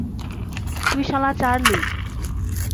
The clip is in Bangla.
তুই শালা চার্লি!